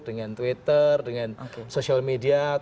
dengan twitter dengan social media